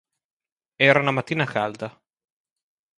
Era una mattina calda.